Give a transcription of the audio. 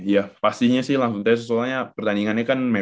iya pastinya sih langsung tc soalnya pertandingannya kan mepet